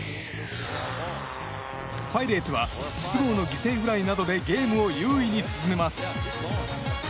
パイレーツは筒香の犠牲フライなどでゲームを優位に進めます。